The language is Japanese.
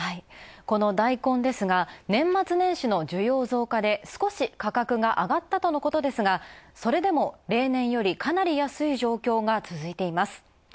このダイコンですが、年末年始の需要増加で少し価格があがったとのことですが、それでも例年より、かなり安い状況が続いています。